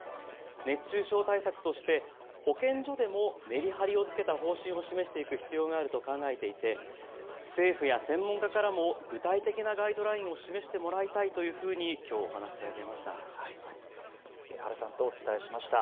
熱中症対策として保健所でもメリハリをつけた方針を示していく必要があると考えていて政府や専門家からも具体的なガイドラインを示してもらいたいというふうにきょうお話されてました。